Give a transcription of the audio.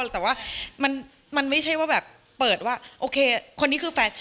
แต่ว่ามันไม่ใช่ว่าแบบเปิดว่าโอเคคนนี้คือแฟน